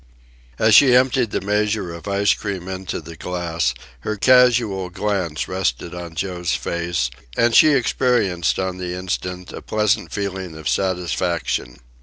As she emptied the measure of ice cream into the glass, her casual glance rested on Joe's face, and she experienced on the instant a pleasant feeling of satisfaction.